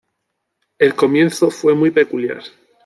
El comienzo fue muy peculiar.